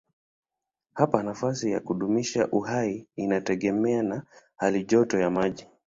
Hapa nafasi ya kudumisha uhai inategemea na halijoto ya maji.